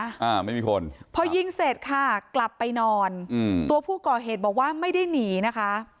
อ่าไม่มีคนพอยิงเสร็จค่ะกลับไปนอนอืมตัวผู้ก่อเหตุบอกว่าไม่ได้หนีนะคะ